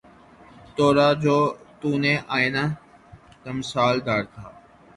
توڑا جو تو نے آئنہ تمثال دار تھا